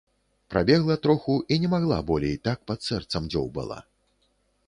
Прабегла троху і не магла болей, так пад сэрцам дзёўбала.